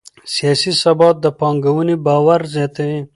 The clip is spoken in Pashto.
سیاسي ثبات د پانګونې باور زیاتوي